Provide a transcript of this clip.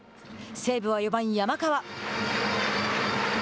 西武は４番山川。